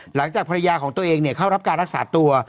หลังจากภรรยาของตัวเองเข้ารับการรักษาตัว